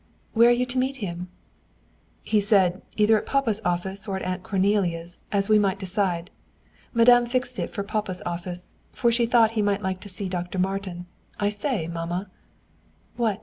"Where are you to meet him?" "He said, either at papa's office or at Aunt Cornelia's, as we might decide. Madame fixed it for papa's office, for she thought he might like to see Dr. Martin. I say, mamma." "What?"